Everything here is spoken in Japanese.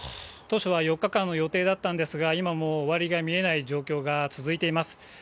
当初は４日間の予定だったんですが、今も終わりが見えない状況が続いています。